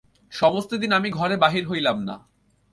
সমস্তদিন আমি ঘরে বাহির হইলাম না।